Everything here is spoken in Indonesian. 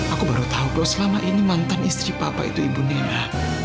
aku baru tahu bahwa selama ini mantan istri papa itu ibu nina